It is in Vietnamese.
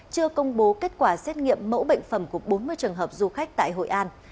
chưa công bố kết quả xét nghiệm mẫu bệnh phẩm của bốn mươi trường hợp du khách tại hội an